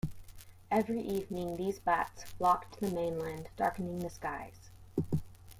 Every evening, these bats flock to the mainland, darkening the skies.